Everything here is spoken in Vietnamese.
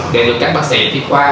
để được các bác sĩ chuyên khoa